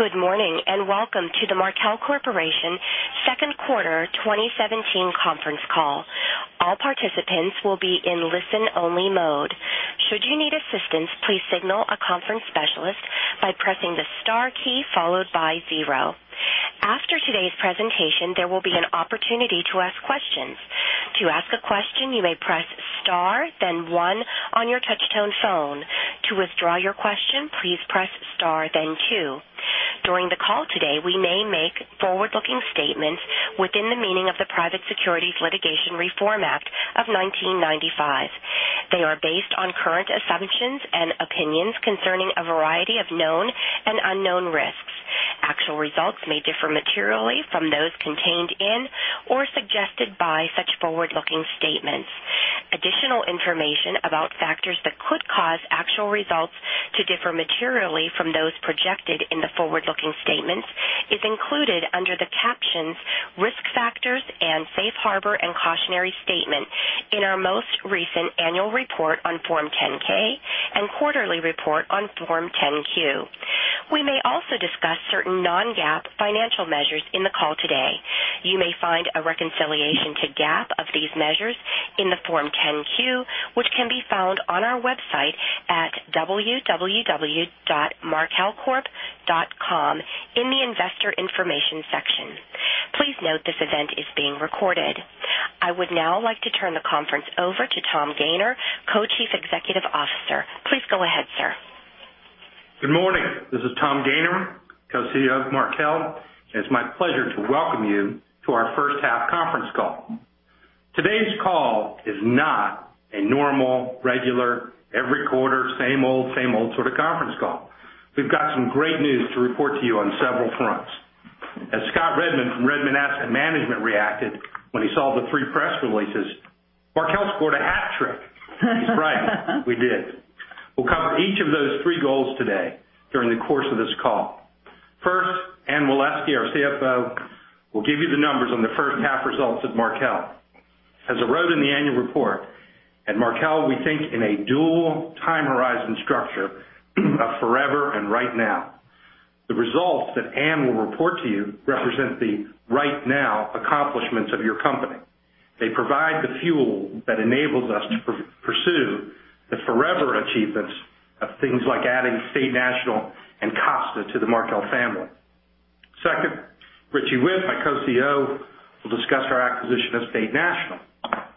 Good morning, and welcome to the Markel Corporation second quarter 2017 conference call. All participants will be in listen-only mode. Should you need assistance, please signal a conference specialist by pressing the star key followed by zero. After today's presentation, there will be an opportunity to ask questions. To ask a question, you may press star then one on your touch tone phone. To withdraw your question, please press star then two. During the call today, we may make forward-looking statements within the meaning of the Private Securities Litigation Reform Act of 1995. They are based on current assumptions and opinions concerning a variety of known and unknown risks. Actual results may differ materially from those contained in or suggested by such forward-looking statements. Additional information about factors that could cause actual results to differ materially from those projected in the forward-looking statements is included under the captions "Risk Factors" and "Safe Harbor and Cautionary Statement" in our most recent annual report on Form 10-K and quarterly report on Form 10-Q. We may also discuss certain non-GAAP financial measures in the call today. You may find a reconciliation to GAAP of these measures in the Form 10-Q, which can be found on our website at www.markelcorp.com in the investor information section. Please note this event is being recorded. I would now like to turn the conference over to Tom Gayner, Co-Chief Executive Officer. Please go ahead, sir. Good morning. This is Tom Gayner, Co-CEO of Markel, and it's my pleasure to welcome you to our first half conference call. Today's call is not a normal, regular, every quarter, same old sort of conference call. We've got some great news to report to you on several fronts. As Scott Redmond from Redmond Asset Management reacted when he saw the three press releases, Markel scored a hat trick. He's right. We did. We'll cover each of those three goals today during the course of this call. First, Anne Waleski, our CFO, will give you the numbers on the first half results of Markel. As I wrote in the annual report, at Markel, we think in a dual time horizon structure of forever and right now. The results that Anne will report to you represent the right now accomplishments of your company. They provide the fuel that enables us to pursue the forever achievements of things like adding State National and Costa to the Markel family. Second, Richie Whitt, my Co-CEO, will discuss our acquisition of State National.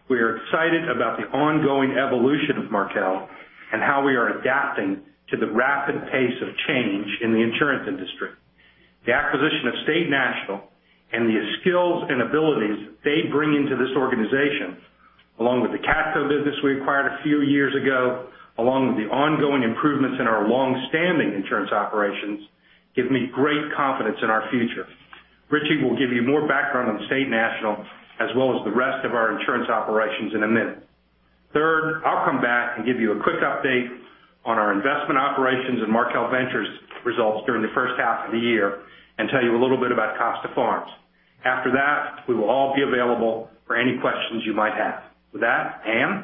We are excited about the ongoing evolution of Markel and how we are adapting to the rapid pace of change in the insurance industry. The acquisition of State National and the skills and abilities they bring into this organization, along with the CATCo business we acquired a few years ago, along with the ongoing improvements in our longstanding insurance operations, give me great confidence in our future. Richie Whitt will give you more background on State National as well as the rest of our insurance operations in a minute. Third, I'll come back and give you a quick update on our investment operations and Markel Ventures results during the first half of the year and tell you a little bit about Costa Farms. After that, we will all be available for any questions you might have. With that, Anne?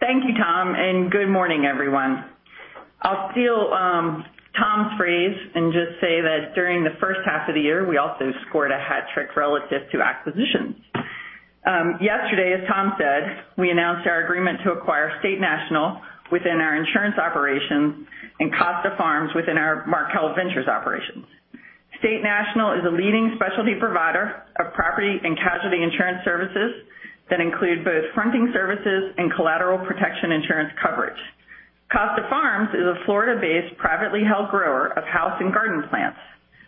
Thank you, Tom, and good morning, everyone. I'll steal Tom's phrase and just say that during the first half of the year, we also scored a hat trick relative to acquisitions. Yesterday, as Tom said, we announced our agreement to acquire State National within our insurance operations and Costa Farms within our Markel Ventures operations. State National is a leading specialty provider of property and casualty insurance services that include both fronting services and collateral protection insurance coverage. Costa Farms is a Florida-based, privately held grower of house and garden plants.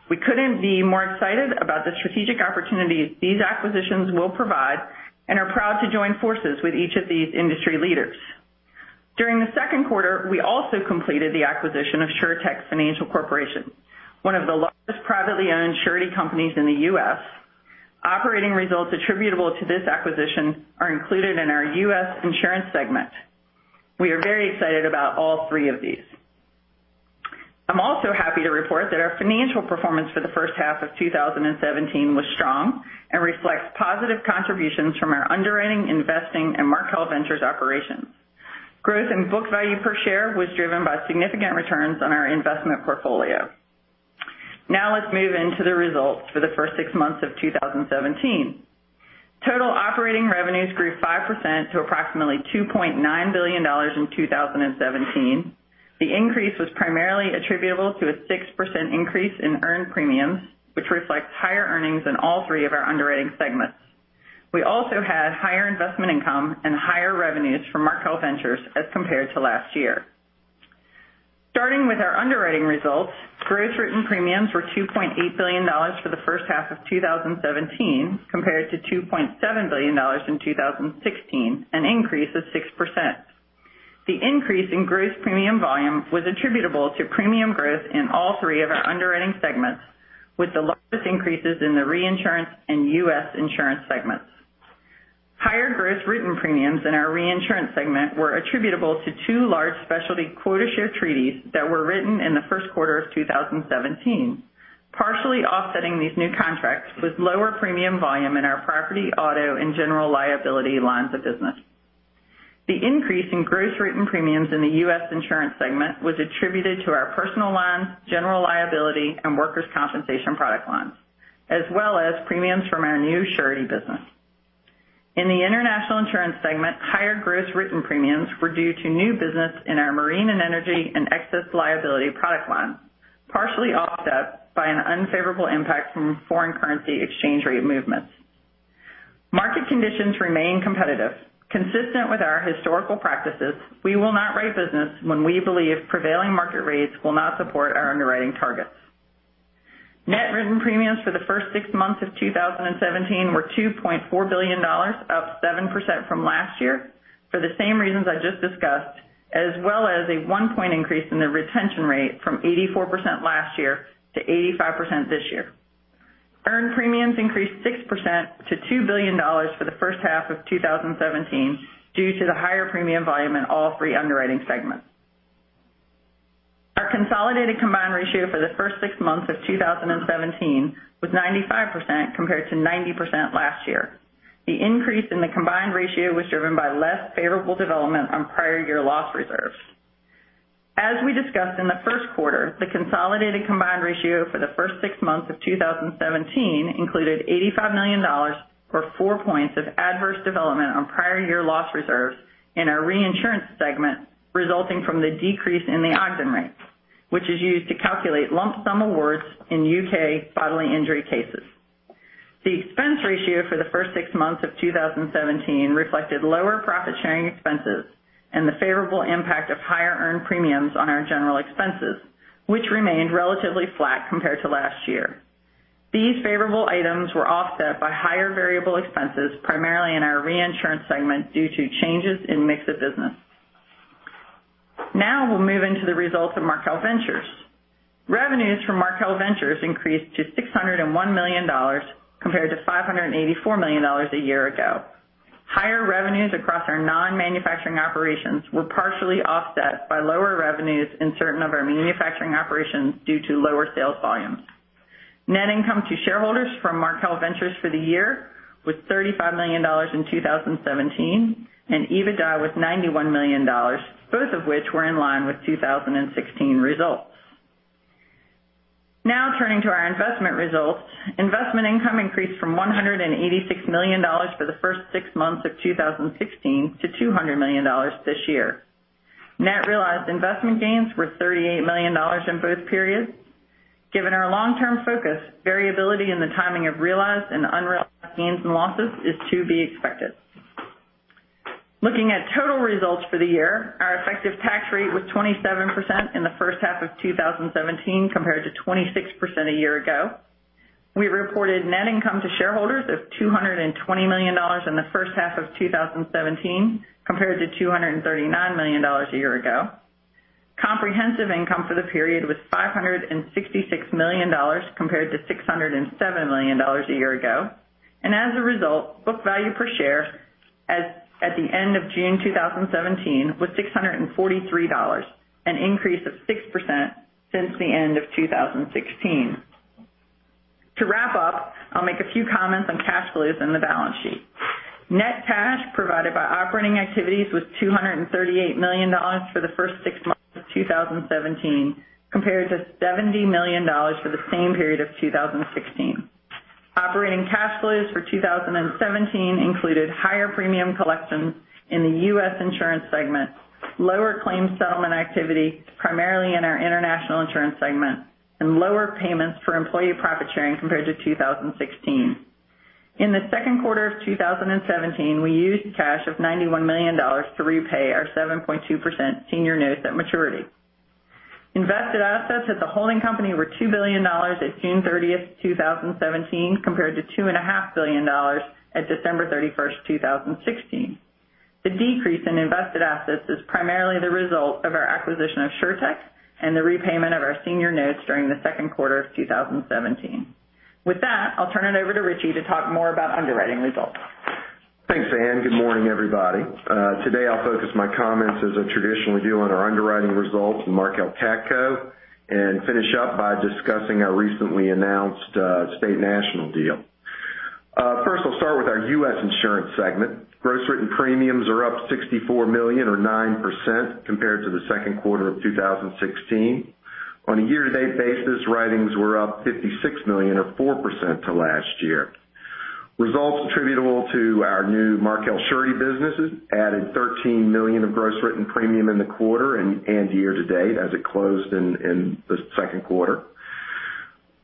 We couldn't be more excited about the strategic opportunities these acquisitions will provide and are proud to join forces with each of these industry leaders. During the second quarter, we also completed the acquisition of SureTec Financial Corporation, one of the largest privately owned surety companies in the U.S. Operating results attributable to this acquisition are included in our U.S. insurance segment. We are very excited about all three of these. I'm also happy to report that our financial performance for the first half of 2017 was strong and reflects positive contributions from our underwriting, investing, and Markel Ventures operations. Growth in book value per share was driven by significant returns on our investment portfolio. Now let's move into the results for the first six months of 2017. Total operating revenues grew 5% to approximately $2.9 billion in 2017. The increase was primarily attributable to a 6% increase in earned premiums, which reflects higher earnings in all three of our underwriting segments. We also had higher investment income and higher revenues from Markel Ventures as compared to last year. Starting with our underwriting results, gross written premiums were $2.8 billion for the first half of 2017 compared to $2.7 billion in 2016, an increase of 6%. The increase in gross premium volume was attributable to premium growth in all three of our underwriting segments, with the largest increases in the reinsurance and U.S. insurance segments. Higher gross written premiums in our reinsurance segment were attributable to two large specialty quota share treaties that were written in the first quarter of 2017. Partially offsetting these new contracts was lower premium volume in our property, auto, and general liability lines of business. The increase in gross written premiums in the U.S. insurance segment was attributed to our personal lines, general liability, and workers' compensation product lines, as well as premiums from our new surety business. In the international insurance segment, higher gross written premiums were due to new business in our marine and energy and excess liability product lines, partially offset by an unfavorable impact from foreign currency exchange rate movements. Market conditions remain competitive. Consistent with our historical practices, we will not write business when we believe prevailing market rates will not support our underwriting targets. Net written premiums for the first six months of 2017 were $2.4 billion, up 7% from last year, for the same reasons I just discussed, as well as a one point increase in the retention rate from 84% last year to 85% this year. Earned premiums increased 6% to $2 billion for the first half of 2017 due to the higher premium volume in all three underwriting segments. Our consolidated combined ratio for the first six months of 2017 was 95% compared to 90% last year. The increase in the combined ratio was driven by less favorable development on prior year loss reserves. As we discussed in the first quarter, the consolidated combined ratio for the first six months of 2017 included $85 million, or four points of adverse development on prior year loss reserves in our reinsurance segment, resulting from the decrease in the Ogden rates, which is used to calculate lump sum awards in U.K. bodily injury cases. The expense ratio for the first six months of 2017 reflected lower profit-sharing expenses and the favorable impact of higher earned premiums on our general expenses, which remained relatively flat compared to last year. These favorable items were offset by higher variable expenses, primarily in our reinsurance segment, due to changes in mix of business. We'll move into the results of Markel Ventures. Revenues from Markel Ventures increased to $601 million compared to $584 million a year ago. Higher revenues across our non-manufacturing operations were partially offset by lower revenues in certain of our manufacturing operations due to lower sales volumes. Net income to shareholders from Markel Ventures for the year was $35 million in 2017 and EBITDA was $91 million, both of which were in line with 2016 results. Turning to our investment results. Investment income increased from $186 million for the first six months of 2016 to $200 million this year. Net realized investment gains were $38 million in both periods. Given our long-term focus, variability in the timing of realized and unrealized gains and losses is to be expected. Looking at total results for the year, our effective tax rate was 27% in the first half of 2017 compared to 26% a year ago. We reported net income to shareholders of $220 million in the first half of 2017 compared to $239 million a year ago. Comprehensive income for the period was $566 million compared to $607 million a year ago. As a result, book value per share at the end of June 2017 was $643, an increase of 6% since the end of 2016. To wrap up, I'll make a few comments on cash flows in the balance sheet. Net cash provided by operating activities was $238 million for the first six months of 2017 compared to $70 million for the same period of 2016. Operating cash flows for 2017 included higher premium collections in the U.S. insurance segment, lower claim settlement activity, primarily in our international insurance segment, and lower payments for employee profit-sharing compared to 2016. In the second quarter of 2017, we used cash of $91 million to repay our 7.2% senior notes at maturity. Invested assets at the holding company were $2 billion at June 30th, 2017, compared to $2.5 billion at December 31st, 2016. The decrease in invested assets is primarily the result of our acquisition of SureTec and the repayment of our senior notes during the second quarter of 2017. With that, I'll turn it over to Richie to talk more about underwriting results. Thanks, Anne. Good morning, everybody. Today I'll focus my comments, as I traditionally do, on our underwriting results in Markel CATCo, and finish up by discussing our recently announced State National deal. First, I'll start with our U.S. insurance segment. Gross written premiums are up $64 million, or 9%, compared to the second quarter of 2016. On a year-to-date basis, writings were up $56 million, or 4%, to last year. Results attributable to our new Markel Surety businesses added $13 million of gross written premium in the quarter and year to date as it closed in the second quarter.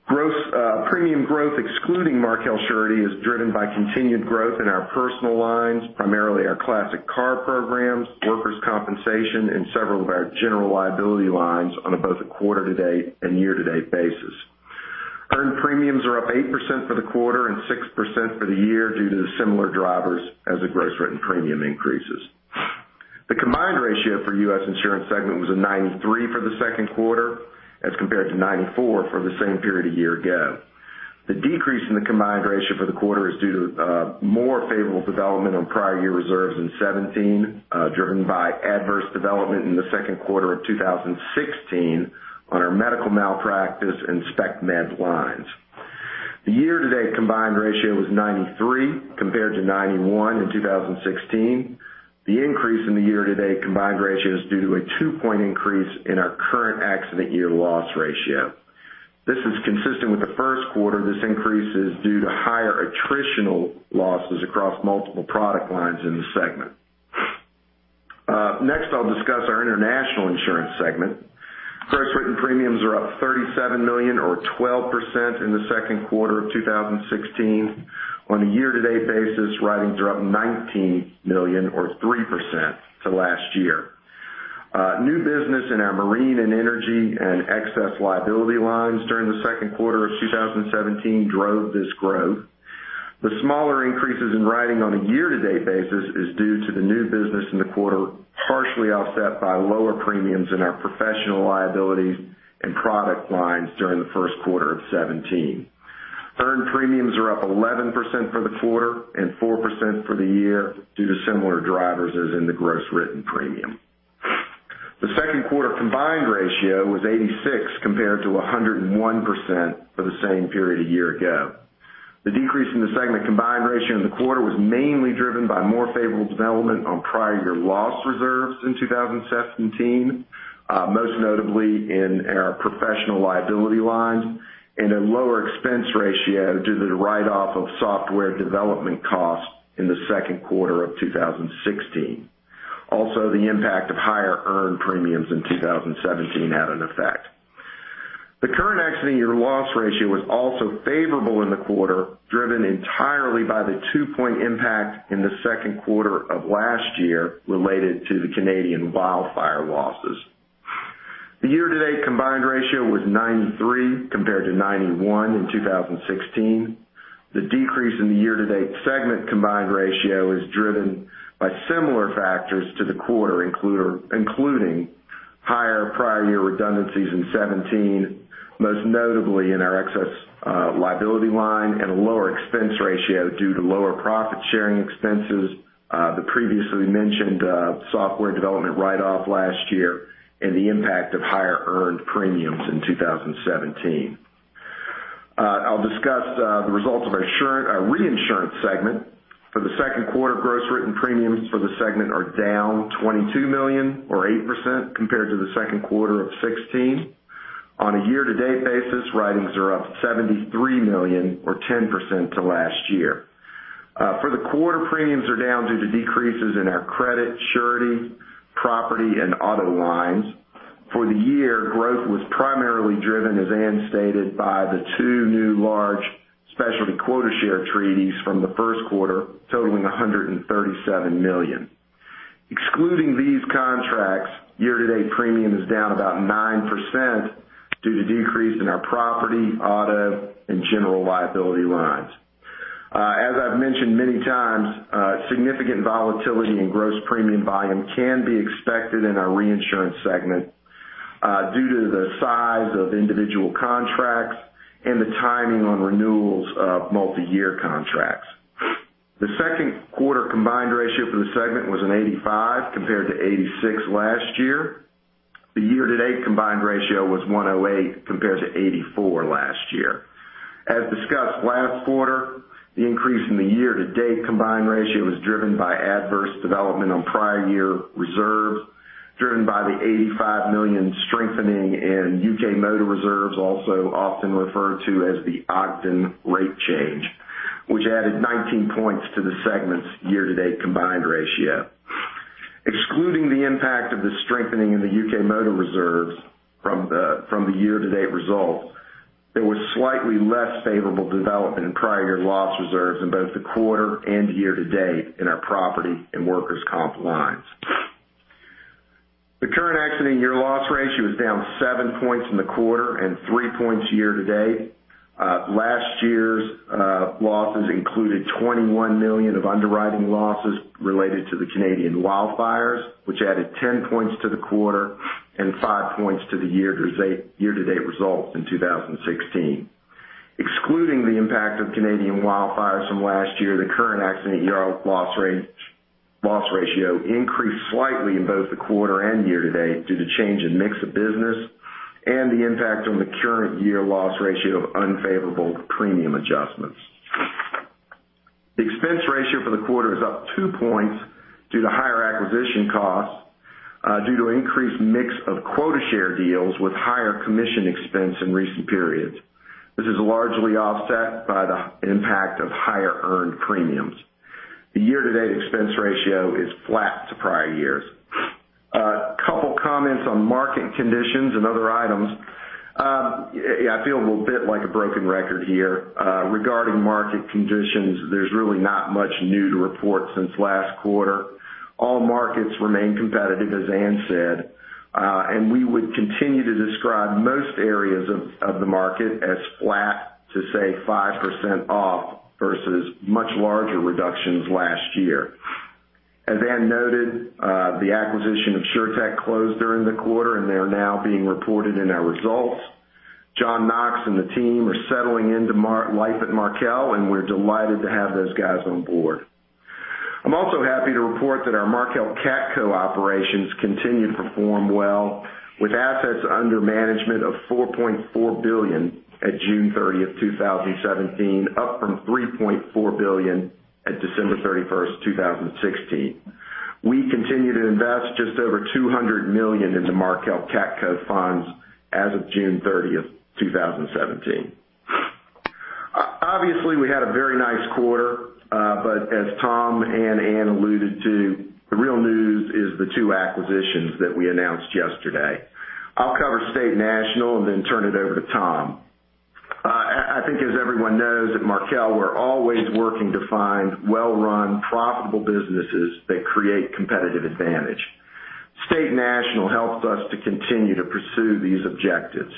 Premium growth excluding Markel Surety is driven by continued growth in our personal lines, primarily our classic car programs, workers' compensation, and several of our general liability lines on both a quarter to date and year to date basis. Earned premiums are up 8% for the quarter and 6% for the year due to the similar drivers as the gross written premium increases. The combined ratio for U.S. Insurance segment was a 93% for the second quarter as compared to 94% for the same period a year ago. The decrease in the combined ratio for the quarter is due to more favorable development on prior year reserves in 2017, driven by adverse development in the second quarter of 2016 on our medical malpractice and Spec Med lines. The year-to-date combined ratio was 93% compared to 91% in 2016. The increase in the year-to-date combined ratio is due to a 2-point increase in our current accident year loss ratio. This is consistent with the first quarter. This increase is due to higher attritional losses across multiple product lines in the segment. Next, I'll discuss our International Insurance segment. Gross written premiums are up $37 million or 12% in the second quarter of 2016. On a year-to-date basis, writings are up $19 million or 3% to last year. New business in our marine and energy and excess liability lines during the second quarter of 2017 drove this growth. The smaller increases in writing on a year-to-date basis is due to the new business in the quarter, partially offset by lower premiums in our professional liability and product lines during the first quarter of 2017. Earned premiums are up 11% for the quarter and 4% for the year due to similar drivers as in the gross written premium. The second quarter combined ratio was 86% compared to 101% for the same period a year ago. The decrease in the segment combined ratio in the quarter was mainly driven by more favorable development on prior year loss reserves in 2017, most notably in our professional liability lines, and a lower expense ratio due to the write-off of software development costs in the second quarter of 2016. The impact of higher earned premiums in 2017 had an effect. The current accident year loss ratio was also favorable in the quarter, driven entirely by the two-point impact in the second quarter of last year related to the Canadian wildfire losses. The year-to-date combined ratio was 93, compared to 91 in 2016. The decrease in the year-to-date segment combined ratio is driven by similar factors to the quarter, including higher prior year redundancies in 2017, most notably in our excess liability line, and a lower expense ratio due to lower profit-sharing expenses, the previously mentioned software development write-off last year, and the impact of higher earned premiums in 2017. I will discuss the results of our reinsurance segment. For the second quarter, gross written premiums for the segment are down $22 million or 8% compared to the second quarter of 2016. On a year-to-date basis, writings are up $73 million or 10% to last year. For the quarter, premiums are down due to decreases in our credit, surety, property, and auto lines. For the year, growth was primarily driven, as Anne stated, by the two new large specialty quota share treaties from the first quarter totaling $137 million. Excluding these contracts, year-to-date premium is down about 9% due to decrease in our property, auto, and general liability lines. As I have mentioned many times, significant volatility in gross premium volume can be expected in our reinsurance segment due to the size of individual contracts and the timing on renewals of multi-year contracts. The second quarter combined ratio for the segment was an 85 compared to 86 last year. The year-to-date combined ratio was 108 compared to 84 last year. As discussed last quarter, the increase in the year-to-date combined ratio was driven by adverse development on prior year reserves, driven by the $85 million strengthening in U.K. motor reserves, also often referred to as the Ogden rate change, which added 19 points to the segment's year-to-date combined ratio. Excluding the impact of the strengthening in the U.K. motor reserves from the year-to-date results, there was slightly less favorable development in prior year loss reserves in both the quarter and year-to-date in our property and workers' comp lines. The current accident year loss ratio is down seven points in the quarter and three points year-to-date. Last year's losses included $21 million of underwriting losses related to the Canadian wildfires, which added 10 points to the quarter and five points to the year-to-date results in 2016. Excluding the impact of Canadian wildfires from last year, the current accident year loss ratio increased slightly in both the quarter and year-to-date due to change in mix of business and the impact on the current year loss ratio of unfavorable premium adjustments. The expense ratio for the quarter is up two points due to higher acquisition costs due to increased mix of quota share deals with higher commission expense in recent periods. This is largely offset by the impact of higher earned premiums. The year-to-date expense ratio is flat to prior years. A couple of comments on market conditions and other items. I feel a little bit like a broken record here. Regarding market conditions, there's really not much new to report since last quarter. All markets remain competitive, as Anne said, and we would continue to describe most areas of the market as flat to, say, 5% off versus much larger reductions last year. As Anne noted, the acquisition of SureTec closed during the quarter, and they are now being reported in our results. John Knox and the team are settling into life at Markel, and we're delighted to have those guys on board. I'm also happy to report that our Markel CATCo operations continue to perform well, with assets under management of $4.4 billion at June 30th, 2017, up from $3.4 billion at December 31st, 2016. We continue to invest just over $200 million in the Markel CATCo funds as of June 30th, 2017. Obviously, we had a very nice quarter, but as Tom and Anne alluded to, the real news is the two acquisitions that we announced yesterday. I'll cover State National and then turn it over to Tom. I think as everyone knows, at Markel, we're always working to find well-run, profitable businesses that create competitive advantage. State National helps us to continue to pursue these objectives.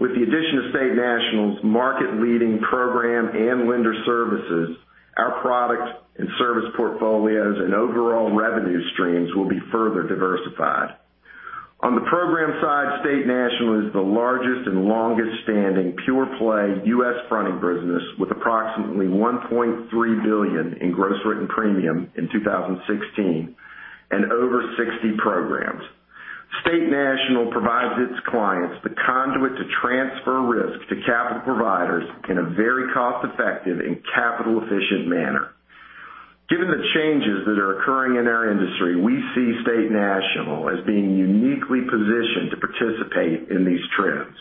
With the addition of State National's market leading program and lender services, our product and service portfolios and overall revenue streams will be further diversified. On the program side, State National is the largest and longest standing pure play U.S. fronting business with approximately $1.3 billion in gross written premium in 2016 and over 60 programs. State National provides its clients the conduit to transfer risk to capital providers in a very cost effective and capital efficient manner. Given the changes that are occurring in our industry, we see State National as being uniquely positioned to participate in these trends.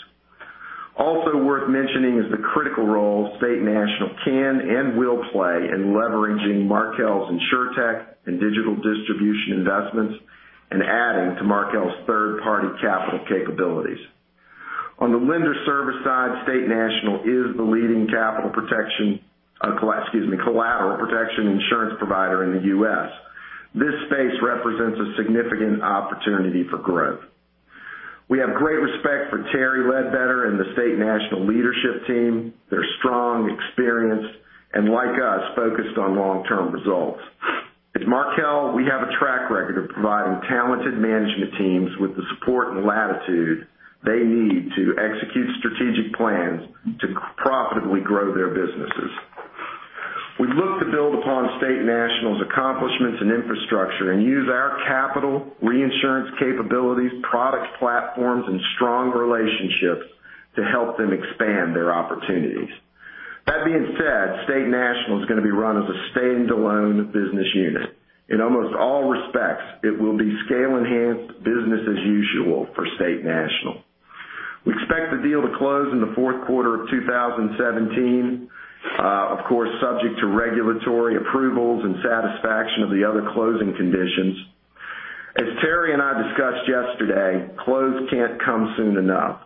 Also worth mentioning is the critical role State National can and will play in leveraging Markel's insurtech and digital distribution investments and adding to Markel's third-party capital capabilities. On the lender service side, State National is the leading collateral protection insurance provider in the U.S. This space represents a significant opportunity for growth. We have great respect for Terry Ledbetter and the State National leadership team. They're strong, experienced, and like us, focused on long-term results. At Markel, we have a track record of providing talented management teams with the support and latitude they need to execute strategic plans to profitably grow their businesses. We look to build upon State National's accomplishments and infrastructure and use our capital reinsurance capabilities, product platforms, and strong relationships to help them expand their opportunities. That being said, State National is going to be run as a stand-alone business unit. In almost all respects, it will be scale enhanced business as usual for State National. We expect the deal to close in the fourth quarter of 2017, of course, subject to regulatory approvals and satisfaction of the other closing conditions. As Terry and I discussed yesterday, close can't come soon enough,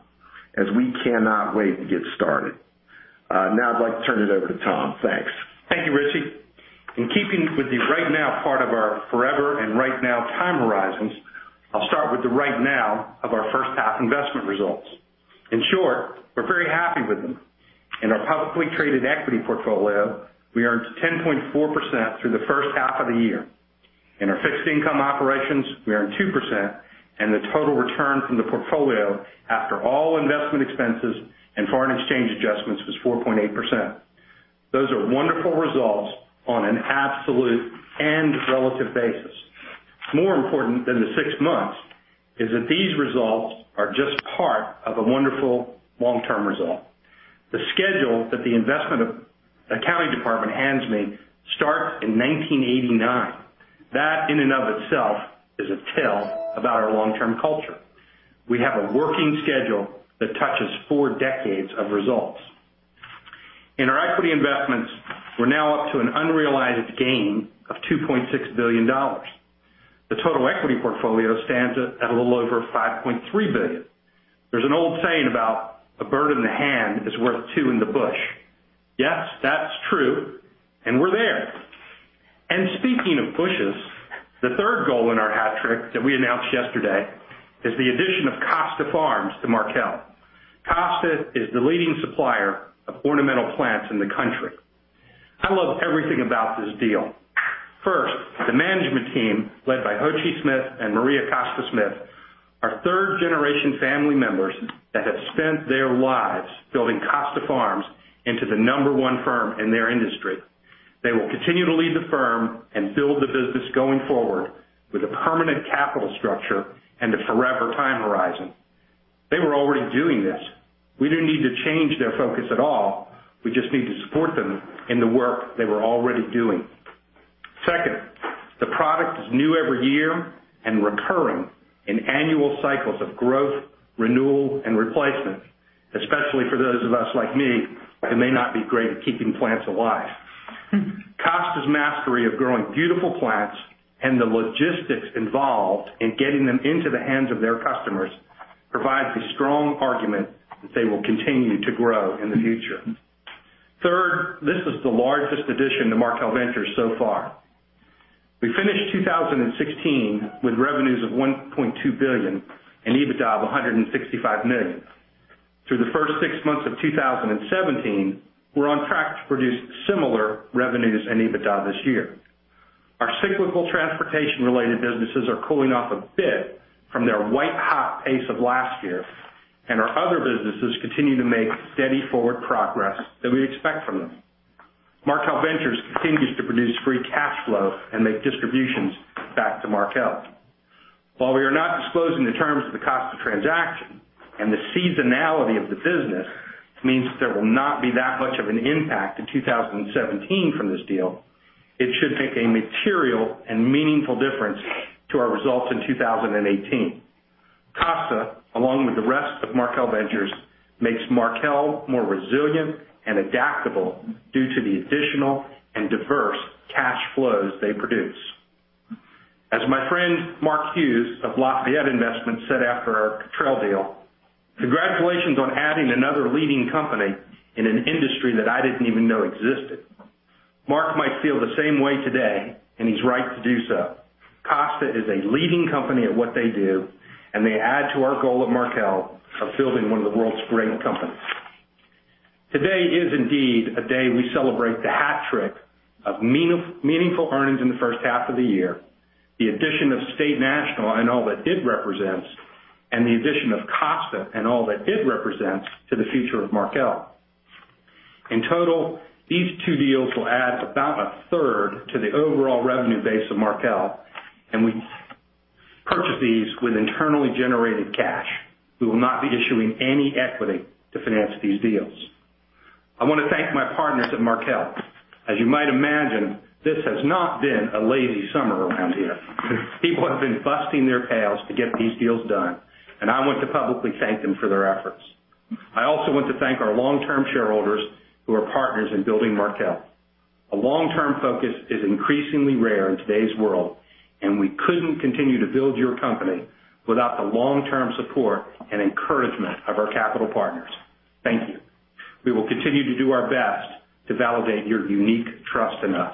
as we cannot wait to get started. Now I'd like to turn it over to Tom. Thanks. Thank you, Richie. In keeping with the right now part of our forever and right now time horizons, I'll start with the right now of our first half investment results. In short, we're very happy with them. In our publicly traded equity portfolio, we earned 10.4% through the first half of the year. In our fixed income operations, we earned 2%, and the total return from the portfolio after all investment expenses and foreign exchange adjustments was 4.8%. Those are wonderful results on an absolute and relative basis. More important than the six months is that these results are just part of a wonderful long-term result. The schedule that the investment accounting department hands me starts in 1989. That in and of itself is a tell about our long-term culture. We have a working schedule that touches four decades of results. In our equity investments, we're now up to an unrealized gain of $2.6 billion. The total equity portfolio stands at a little over $5.3 billion. There's an old saying about a bird in the hand is worth two in the bush. Yes, that's true, and we're there. Speaking of bushes, the third goal in our hat trick that we announced yesterday is the addition of Costa Farms to Markel. Costa is the leading supplier of ornamental plants in the country. I love everything about this deal. First, the management team, led by Jose Smith and Maria Costa-Smith, are third generation family members that have spent their lives building Costa Farms into the number one firm in their industry. They will continue to lead the firm and build the business going forward with a permanent capital structure and a forever time horizon. They were already doing this. We didn't need to change their focus at all. We just need to support them in the work they were already doing. Second, the product is new every year and recurring in annual cycles of growth, renewal, and replacement, especially for those of us like me who may not be great at keeping plants alive. Costa's mastery of growing beautiful plants and the logistics involved in getting them into the hands of their customers provides a strong argument that they will continue to grow in the future. Third, this is the largest addition to Markel Ventures so far. We finished 2016 with revenues of $1.2 billion and EBITDA of $165 million. Through the first six months of 2017, we're on track to produce similar revenues and EBITDA this year. Our cyclical transportation related businesses are cooling off a bit from their white-hot pace of last year. Our other businesses continue to make steady forward progress that we expect from them. Markel Ventures continues to produce free cash flow and make distributions back to Markel. While we are not disclosing the terms of the Costa transaction, the seasonality of the business means that there will not be that much of an impact in 2017 from this deal, it should make a material and meaningful difference to our results in 2018. Costa, along with the rest of Markel Ventures, makes Markel more resilient and adaptable due to the additional and diverse cash flows they produce. As my friend Mark Hughes of Lafayette Investment said after our Cottrell deal, "Congratulations on adding another leading company in an industry that I didn't even know existed." Mark might feel the same way today, and he's right to do so. Costa is a leading company at what they do, and they add to our goal at Markel of building one of the world's great companies. Today is indeed a day we celebrate the hat trick of meaningful earnings in the first half of the year, the addition of State National and all that it represents, and the addition of Costa and all that it represents to the future of Markel. In total, these two deals will add about a third to the overall revenue base of Markel, and we purchased these with internally generated cash. We will not be issuing any equity to finance these deals. I want to thank my partners at Markel. As you might imagine, this has not been a lazy summer around here. People have been busting their tails to get these deals done, and I want to publicly thank them for their efforts. I also want to thank our long-term shareholders who are partners in building Markel. A long-term focus is increasingly rare in today's world, and we couldn't continue to build your company without the long-term support and encouragement of our capital partners. Thank you. We will continue to do our best to validate your unique trust in us.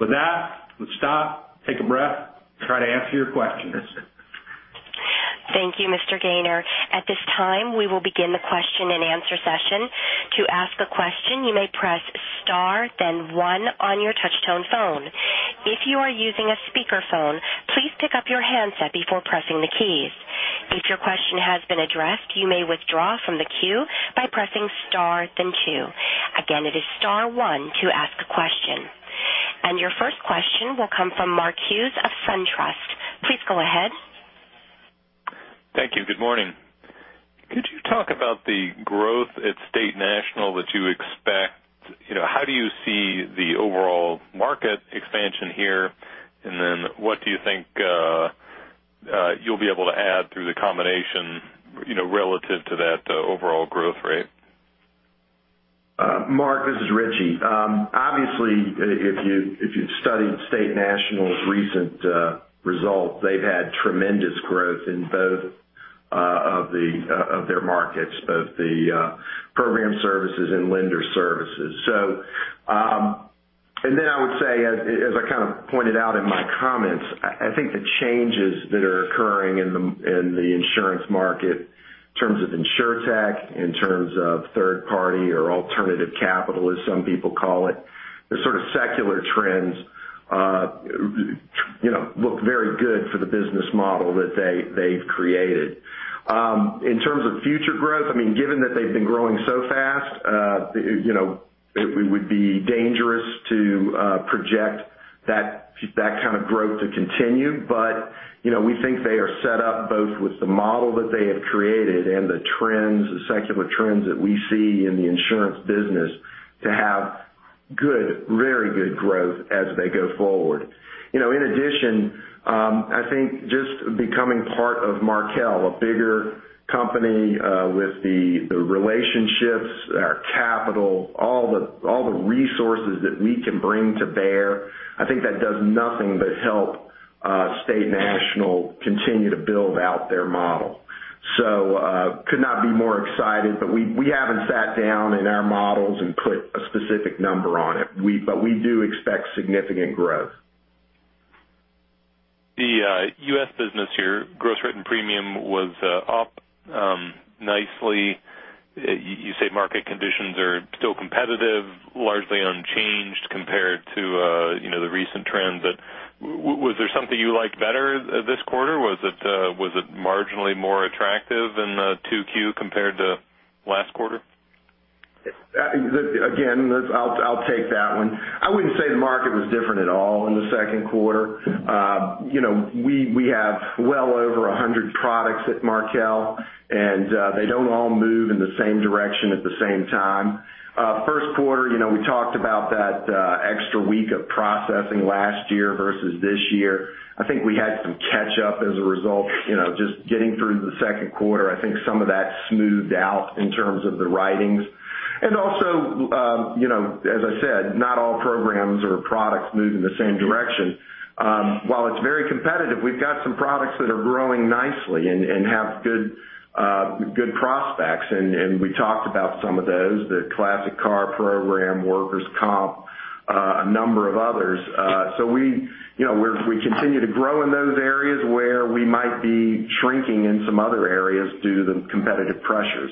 With that, let's stop, take a breath, try to answer your questions. Thank you, Mr. Gayner. At this time, we will begin the question and answer session. To ask a question, you may press star then one on your touch-tone phone. If you are using a speakerphone, please pick up your handset before pressing the keys. If your question has been addressed, you may withdraw from the queue by pressing star then two. Again, it is star one to ask a question. Your first question will come from Mark Hughes of SunTrust. Please go ahead. Thank you. Good morning. Could you talk about the growth at State National that you expect? How do you see the overall market expansion here? What do you think you'll be able to add through the combination relative to that overall growth rate? Mark, this is Richie. Obviously, if you've studied State National's recent results, they've had tremendous growth in both of their markets, both the program services and lender services. I would say, as I kind of pointed out in my comments, I think the changes that are occurring in the insurance market in terms of insurtech, in terms of third party or alternative capital, as some people call it, the sort of secular trends look very good for the business model that they've created. In terms of future growth, given that they've been growing so fast, it would be dangerous to project that kind of growth to continue. We think they are set up both with the model that they have created and the secular trends that we see in the insurance business to have very good growth as they go forward. In addition, I think just becoming part of Markel, a bigger company with the relationships, our capital, all the resources that we can bring to bear, I think that does nothing but help State National continue to build out their model. Could not be more excited, we haven't sat down in our models and put a specific number on it. We do expect significant growth. The U.S. business here, gross written premium was up nicely. You say market conditions are still competitive, largely unchanged compared to the recent trends. Was there something you liked better this quarter? Was it marginally more attractive in 2Q compared to last quarter? I will take that one. I wouldn't say the market was different at all in the second quarter. We have well over 100 products at Markel, and they don't all move in the same direction at the same time. First quarter, we talked about that extra week of processing last year versus this year. I think we had some catch up as a result, just getting through the second quarter. I think some of that smoothed out in terms of the writings. As I said, not all programs or products move in the same direction. While it's very competitive, we've got some products that are growing nicely and have good prospects, and we talked about some of those, the classic car program, workers' comp, a number of others. We continue to grow in those areas where we might be shrinking in some other areas due to the competitive pressures.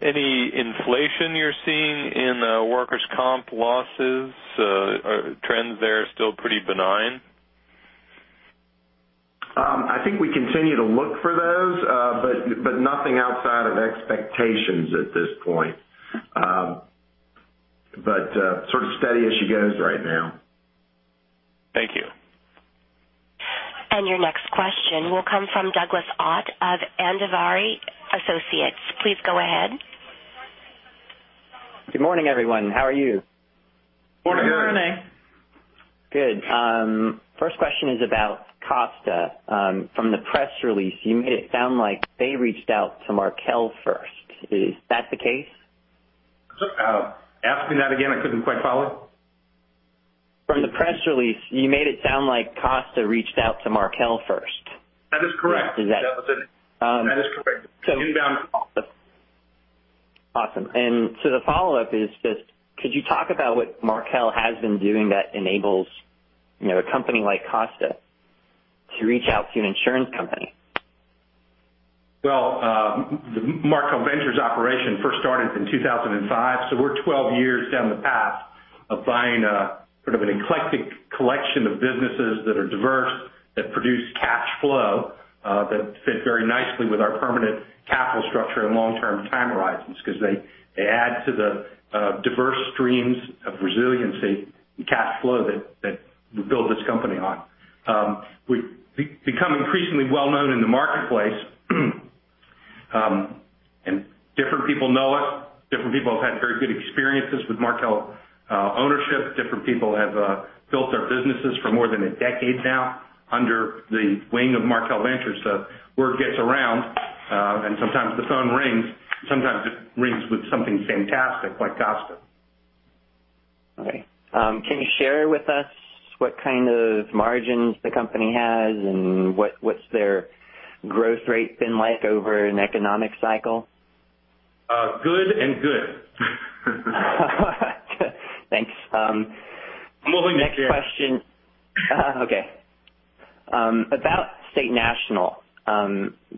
Any inflation you're seeing in workers' comp losses? Are trends there still pretty benign? I think we continue to look for those nothing outside of expectations at this point. Sort of steady as she goes right now. Thank you. Your next question will come from Douglas Ott of Andvari Associates. Please go ahead. Good morning, everyone. How are you? Morning. Good. Good. First question is about Costa. From the press release, you made it sound like they reached out to Markel first. Is that the case? Ask that again, I couldn't quite follow. From the press release, you made it sound like Costa reached out to Markel first. That is correct. Is that? That is correct. So- Inbound call. The follow-up is just, could you talk about what Markel has been doing that enables a company like Costa to reach out to an insurance company? Well, the Markel Ventures operation first started in 2005, so we're 12 years down the path of buying sort of an eclectic collection of businesses that are diverse, that produce cash flow, that fit very nicely with our permanent capital structure and long-term time horizons because they add to the diverse streams of resiliency and cash flow that we build this company on. We've become increasingly well-known in the marketplace, and different people know us. Different people have had very good experiences with Markel ownership. Different people have built their businesses for more than a decade now under the wing of Markel Ventures. Word gets around, and sometimes the phone rings. Sometimes it rings with something fantastic like Costa. Okay. Can you share with us what kind of margins the company has and what's their growth rate been like over an economic cycle? Good and good. Thanks. More than you care. Next question. Okay. About State National.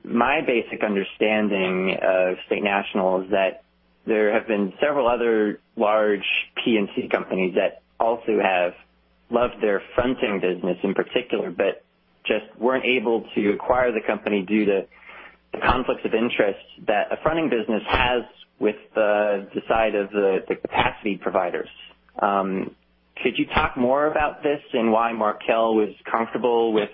My basic understanding of State National is that there have been several other large P&C companies that also have loved their fronting business in particular, but just weren't able to acquire the company due to the conflicts of interest that a fronting business has with the side of the capacity providers. Could you talk more about this and why Markel was comfortable with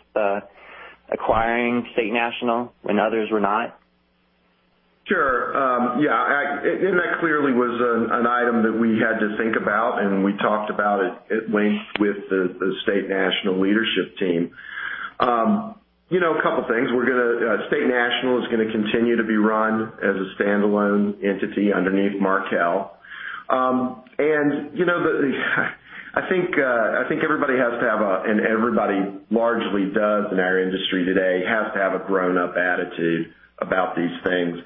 acquiring State National when others were not? Sure. That clearly was an item that we had to think about, and we talked about it at length with the State National leadership team. A couple of things. State National is going to continue to be run as a standalone entity underneath Markel. I think everybody has to have a, and everybody largely does in our industry today, has to have a grown-up attitude about these things.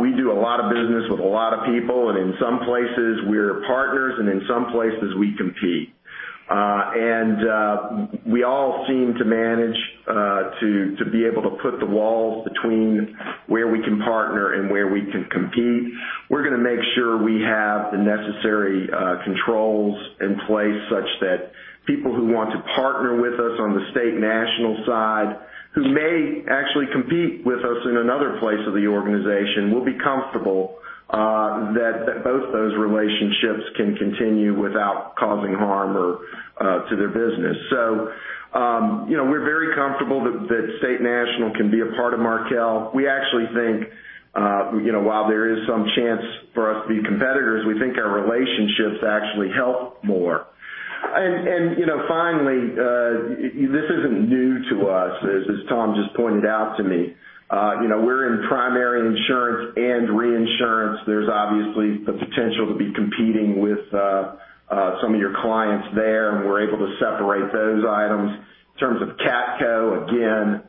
We do a lot of business with a lot of people, and in some places we're partners, and in some places we compete. We all seem to manage to be able to put the walls between where we can partner and where we can compete. We're going to make sure we have the necessary controls in place such that people who want to partner with us on the State National side, who may actually compete with us in another place of the organization, will be comfortable that both those relationships can continue without causing harm to their business. We're very comfortable that State National can be a part of Markel. We actually think while there is some chance for us to be competitors, we think our relationships actually help more. Finally, this isn't new to us, as Tom just pointed out to me. We're in primary insurance and reinsurance. There's obviously the potential to be competing with some of your clients there, and we're able to separate those items. In terms of CATCo, again,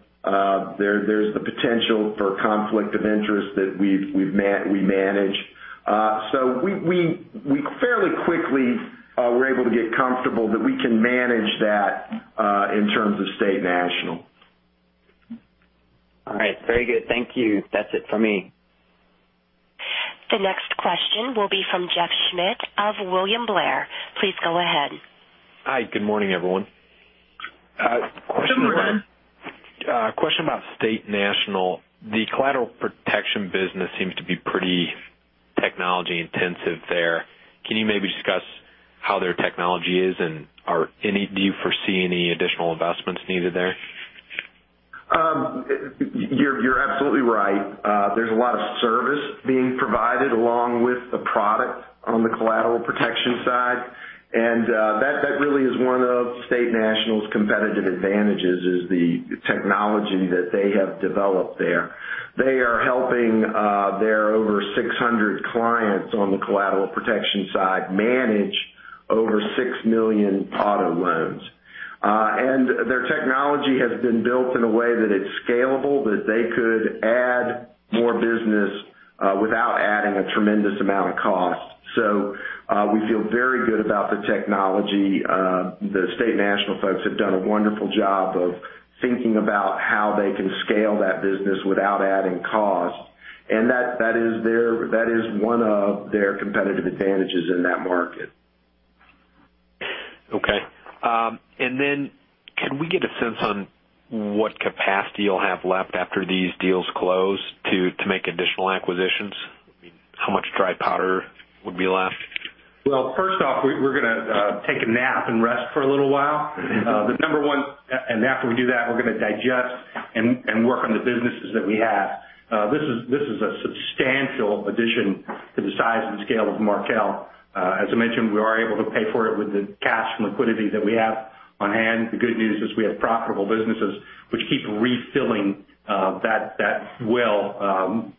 there's the potential for conflict of interest that we manage. We fairly quickly were able to get comfortable that we can manage that in terms of State National. All right. Very good. Thank you. That's it for me. The next question will be from Jeff Schmidt of William Blair. Please go ahead. Hi, good morning, everyone. Good morning. A question about State National. The collateral protection business seems to be pretty technology intensive there. Can you maybe discuss how their technology is, and do you foresee any additional investments needed there? You're absolutely right. There's a lot of service being provided along with the product on the collateral protection side. That really is one of State National's competitive advantages is the technology that they have developed there. They are helping their over 600 clients on the collateral protection side manage over 6 million auto loans. Their technology has been built in a way that it's scalable, that they could add more business without adding a tremendous amount of cost. We feel very good about the technology. The State National folks have done a wonderful job of thinking about how they can scale that business without adding cost. That is one of their competitive advantages in that market. Okay. Can we get a sense on what capacity you'll have left after these deals close to make additional acquisitions? How much dry powder would be left? First off, we're going to take a nap and rest for a little while. After we do that, we're going to digest and work on the businesses that we have. This is a substantial addition to the size and scale of Markel. As I mentioned, we are able to pay for it with the cash and liquidity that we have on hand. The good news is we have profitable businesses which keep refilling that well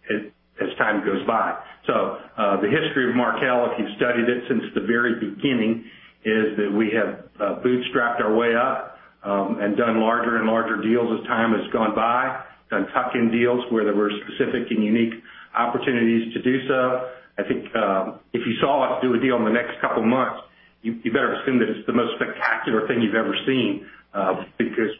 as time goes by. The history of Markel, if you've studied it since the very beginning, is that we have bootstrapped our way up, and done larger and larger deals as time has gone by, done tuck-in deals where there were specific and unique opportunities to do so. I think if you saw us do a deal in the next couple of months, you better assume that it's the most spectacular thing you've ever seen, because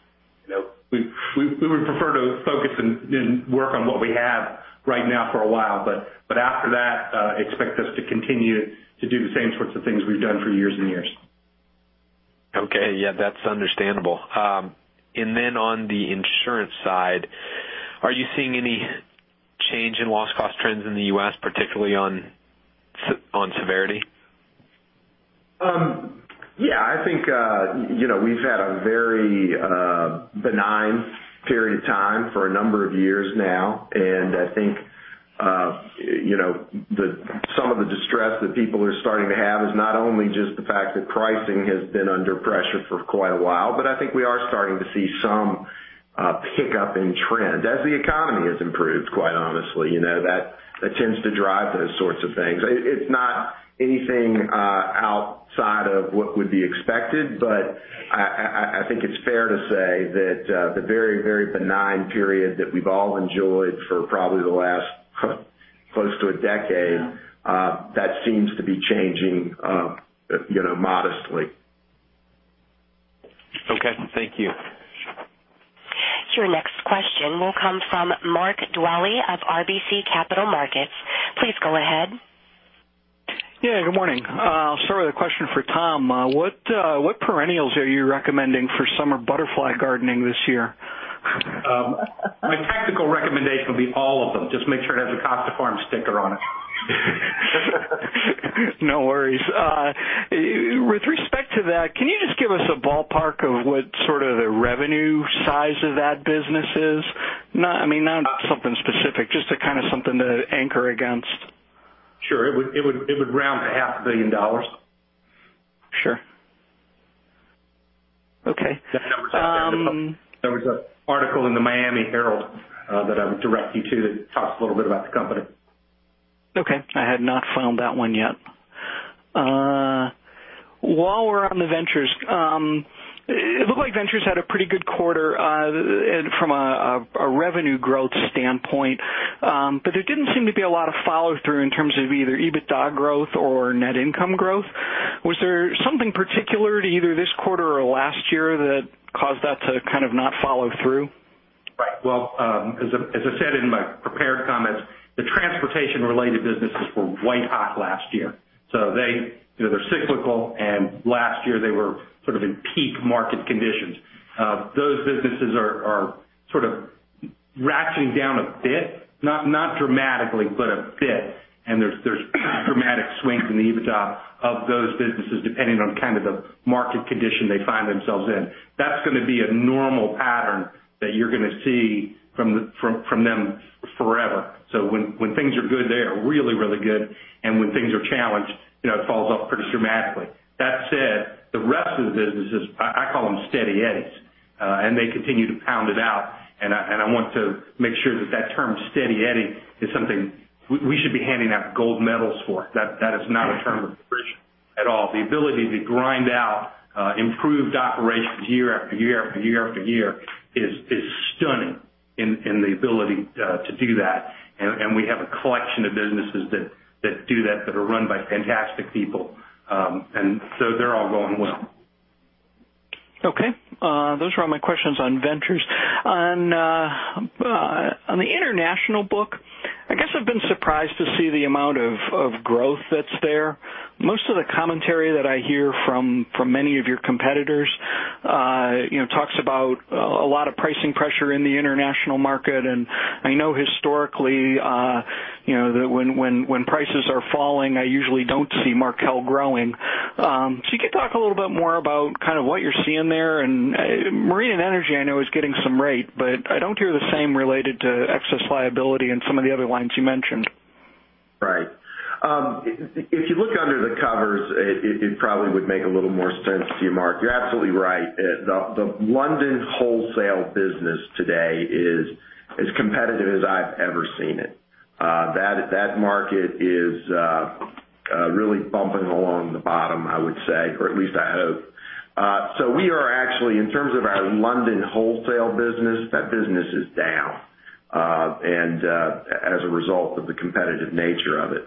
we would prefer to focus and work on what we have right now for a while. After that, expect us to continue to do the same sorts of things we've done for years and years. Okay. Yeah, that's understandable. Then on the insurance side, are you seeing any change in loss cost trends in the U.S., particularly on severity? Yeah, I think we've had a very benign period of time for a number of years now. I think some of the distress that people are starting to have is not only just the fact that pricing has been under pressure for quite a while, I think we are starting to see some pickup in trend as the economy has improved, quite honestly. That tends to drive those sorts of things. It's not anything outside of what would be expected, I think it's fair to say that the very benign period that we've all enjoyed for probably the last close to a decade, that seems to be changing modestly. Okay. Thank you. Your next question will come from Mark Dwelly of RBC Capital Markets. Please go ahead. Yeah, good morning. I'll start with a question for Tom. What perennials are you recommending for summer butterfly gardening this year? My technical recommendation would be all of them. Just make sure it has a Costa Farms sticker on it. No worries. With respect to that, can you just give us a ballpark of what sort of the revenue size of that business is? Not something specific, just kind of something to anchor against. Sure. It would round to half a billion dollars. Sure. Okay. There was an article in the Miami Herald that I would direct you to that talks a little bit about the company. Okay. I had not found that one yet. While we're on the ventures, it looked like ventures had a pretty good quarter from a revenue growth standpoint. There didn't seem to be a lot of follow-through in terms of either EBITDA growth or net income growth. Was there something particular to either this quarter or last year that caused that to kind of not follow through? Right. Well, as I said in my prepared comments, the transportation-related businesses were white hot last year. They're cyclical, and last year they were sort of in peak market conditions. Those businesses are sort of ratcheting down a bit, not dramatically, but a bit. There's dramatic swings in the EBITDA of those businesses, depending on kind of the market condition they find themselves in. That's going to be a normal pattern that you're going to see from them forever. When things are good, they are really, really good. When things are challenged, it falls off pretty dramatically. That said, the rest of the businesses, I call them steady Eddies, and they continue to pound it out. I want to make sure that term steady Eddy is something we should be handing out gold medals for. That is not a term of derision at all. The ability to grind out improved operations year after year after year after year is stunning in the ability to do that. We have a collection of businesses that do that are run by fantastic people. They're all going well. Okay. Those were all my questions on Markel Ventures. On the international book, I guess I've been surprised to see the amount of growth that's there. Most of the commentary that I hear from many of your competitors talks about a lot of pricing pressure in the international market. I know historically, that when prices are falling, I usually don't see Markel growing. You could talk a little bit more about kind of what you're seeing there? Marine & Energy I know is getting some rate, but I don't hear the same related to excess liability and some of the other lines you mentioned. Right. If you look under the covers, it probably would make a little more sense to you, Mark. You're absolutely right. The London wholesale business today is as competitive as I've ever seen it. That market is really bumping along the bottom, I would say, or at least I hope. We are actually, in terms of our London wholesale business, that business is down. As a result of the competitive nature of it.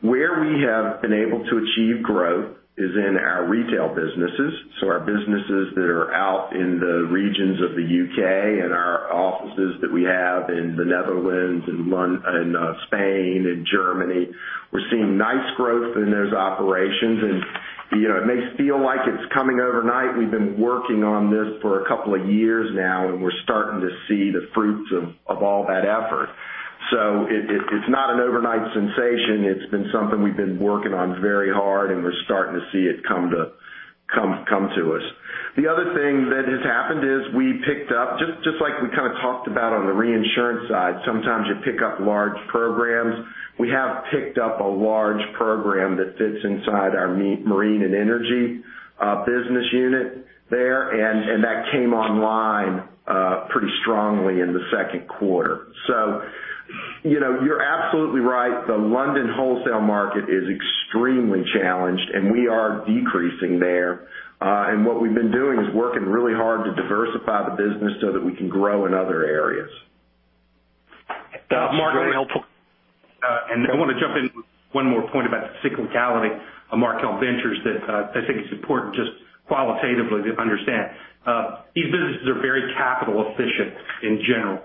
Where we have been able to achieve growth is in our retail businesses. Our businesses that are out in the regions of the U.K. and our offices that we have in the Netherlands and Spain and Germany. We're seeing nice growth in those operations and. It may feel like it's coming overnight. We've been working on this for a couple of years now, we're starting to see the fruits of all that effort. It's not an overnight sensation. It's been something we've been working on very hard, we're starting to see it come to us. The other thing that has happened is we picked up, just like we kind of talked about on the reinsurance side, sometimes you pick up large programs. We have picked up a large program that fits inside our Marine & Energy business unit there, that came online pretty strongly in the second quarter. You're absolutely right. The London wholesale market is extremely challenged, we are decreasing there. What we've been doing is working really hard to diversify the business so that we can grow in other areas. That's very helpful. I want to jump in with one more point about the cyclicality of Markel Ventures that I think is important just qualitatively to understand. These businesses are very capital efficient in general.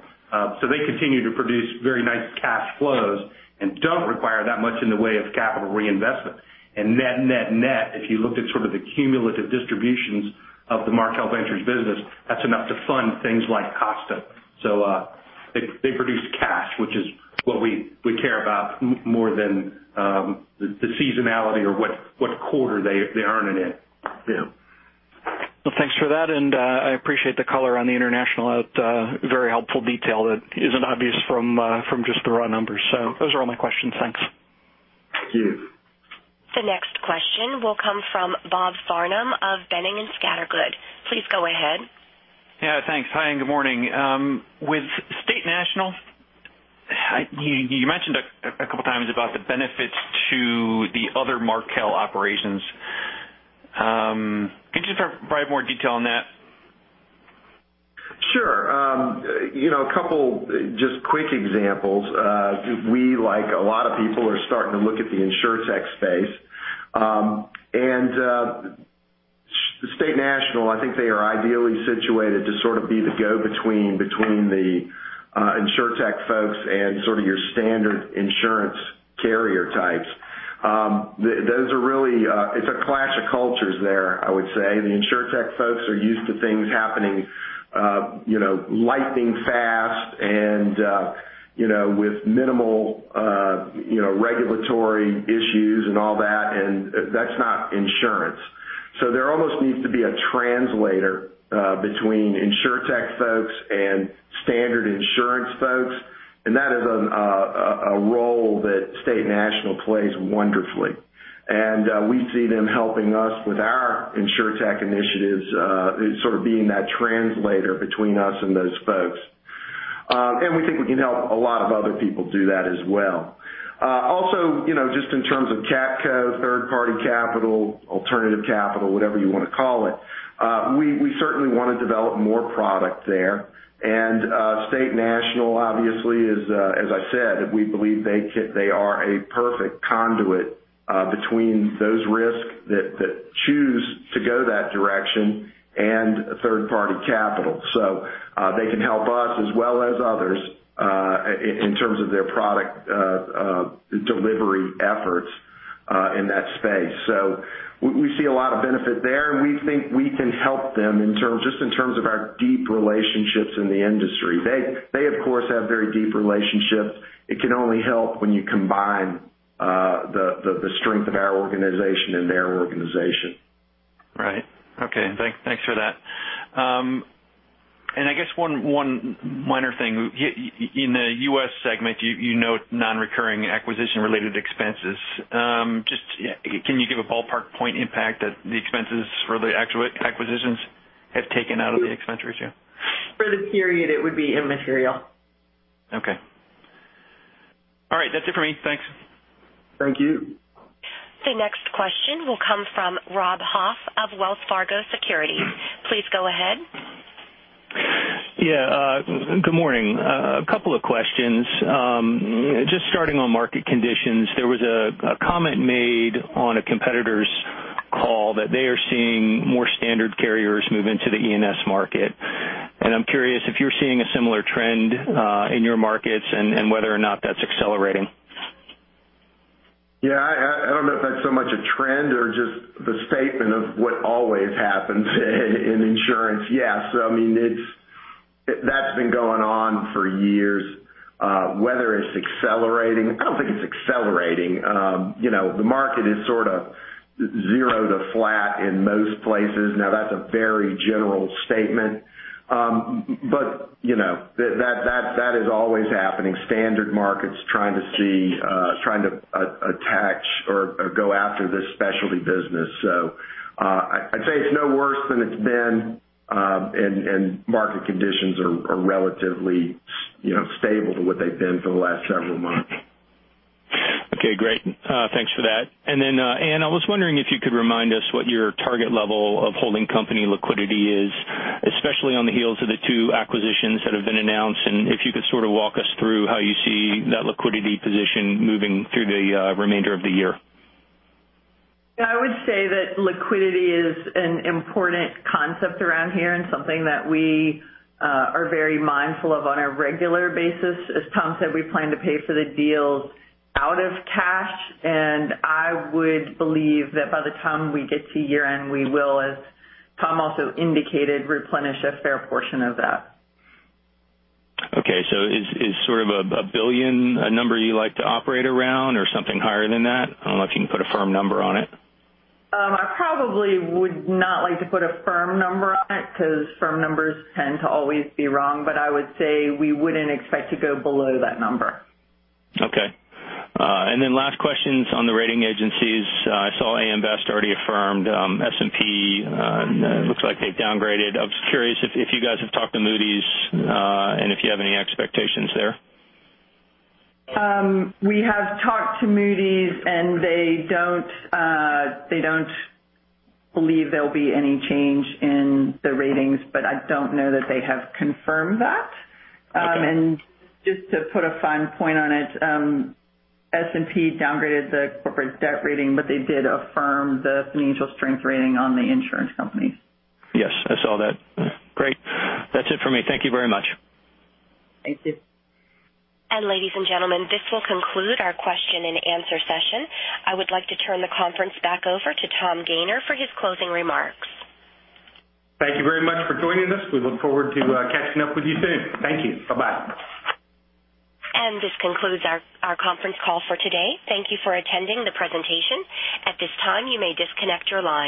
They continue to produce very nice cash flows and don't require that much in the way of capital reinvestment. Net, net, if you looked at sort of the cumulative distributions of the Markel Ventures business, that's enough to fund things like Costa. They produce cash, which is what we care about more than the seasonality or what quarter they earn it in. Yeah. Well, thanks for that, and I appreciate the color on the international. Very helpful detail that isn't obvious from just the raw numbers. Those are all my questions. Thanks. Thank you. The next question will come from Bob Farnam of Boenning & Scattergood. Please go ahead. Yeah, thanks. Hi, good morning. With State National, you mentioned a couple of times about the benefits to the other Markel operations. Could you provide more detail on that? Sure. A couple just quick examples. We, like a lot of people, are starting to look at the insurtech space. State National, I think they are ideally situated to sort of be the go-between the insurtech folks and sort of your standard insurance carrier types. It's a clash of cultures there, I would say. The insurtech folks are used to things happening lightning fast and with minimal regulatory issues and all that, and that's not insurance. There almost needs to be a translator between insurtech folks and standard insurance folks, and that is a role that State National plays wonderfully. We see them helping us with our insurtech initiatives, sort of being that translator between us and those folks. We think we can help a lot of other people do that as well. Also, just in terms of CATCo, third-party capital, alternative capital, whatever you want to call it, we certainly want to develop more product there. State National obviously is, as I said, we believe they are a perfect conduit between those risks that choose to go that direction and third-party capital. They can help us as well as others in terms of their product delivery efforts in that space. We see a lot of benefit there, and we think we can help them just in terms of our deep relationships in the industry. They, of course, have very deep relationships. It can only help when you combine the strength of our organization and their organization. Right. Okay. Thanks for that. I guess one minor thing. In the U.S. segment, you note non-recurring acquisition-related expenses. Just can you give a ballpark point impact that the expenses for the acquisitions have taken out of the expenditures? Yeah. For the period, it would be immaterial. Okay. All right. That's it for me. Thanks. Thank you. The next question will come from Rob Hoff of Wells Fargo Securities. Please go ahead. Yeah. Good morning. A couple of questions. Just starting on market conditions, there was a comment made on a competitor's call that they are seeing more standard carriers move into the E&S market, and I'm curious if you're seeing a similar trend in your markets and whether or not that's accelerating. I don't know if that's so much a trend or just the statement of what always happens in insurance. I mean, that's been going on for years. Whether it's accelerating, I don't think it's accelerating. The market is sort of zero to flat in most places. That's a very general statement. That is always happening. Standard markets trying to attach or go after this specialty business. I'd say it's no worse than it's been, and market conditions are relatively stable to what they've been for the last several months. Great. Thanks for that. Anne, I was wondering if you could remind us what your target level of holding company liquidity is, especially on the heels of the 2 acquisitions that have been announced, and if you could sort of walk us through how you see that liquidity position moving through the remainder of the year. I would say that liquidity is an important concept around here and something that we are very mindful of on a regular basis. As Tom said, we plan to pay for the deals out of cash, and I would believe that by the time we get to year-end, we will, as Tom also indicated, replenish a fair portion of that. Is sort of $1 billion a number you like to operate around or something higher than that? I don't know if you can put a firm number on it. I probably would not like to put a firm number on it because firm numbers tend to always be wrong, but I would say we wouldn't expect to go below that number. Okay. Last question's on the rating agencies. I saw AM Best already affirmed S&P, and it looks like they downgraded. I was curious if you guys have talked to Moody's and if you have any expectations there. We have talked to Moody's, and they don't believe there'll be any change in the ratings, but I don't know that they have confirmed that. Okay. Just to put a fine point on it, S&P downgraded the corporate debt rating, but they did affirm the financial strength rating on the insurance companies. Yes, I saw that. Great. That's it for me. Thank you very much. Thank you. Ladies and gentlemen, this will conclude our question and answer session. I would like to turn the conference back over to Tom Gayner for his closing remarks. Thank you very much for joining us. We look forward to catching up with you soon. Thank you. Bye-bye. This concludes our conference call for today. Thank you for attending the presentation. At this time, you may disconnect your line.